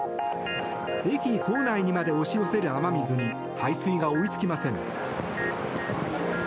駅構内にまで押し寄せる雨水に排水が追いつきません。